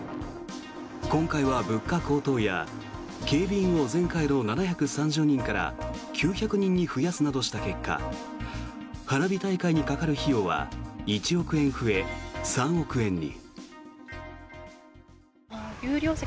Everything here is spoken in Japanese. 今回は物価高騰や警備員を前回の７３０人から９００人に増やすなどした結果花火大会にかかる費用は１億円増え、３億円に。